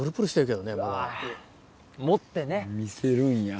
見せるんや。